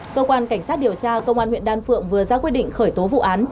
cơ quan cảnh sát điều tra công an huyện đan phượng vừa ra quyết định khởi tố vụ án